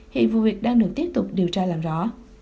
hiện vụ việc đang được tiếp tục điều tra làm rõ